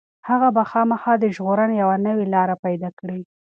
هغه به خامخا د ژغورنې یوه نوې لاره پيدا کړي.